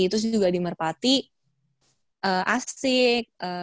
terus juga di merpati asik